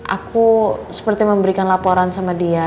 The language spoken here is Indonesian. aku seperti memberikan laporan sama dia